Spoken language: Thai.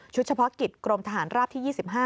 เฉพาะกิจกรมทหารราบที่๒๕